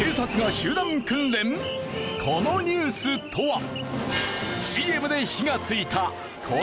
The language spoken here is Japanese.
このニュースとは？